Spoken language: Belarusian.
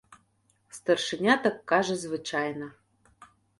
Старшыня так кажа звычайна.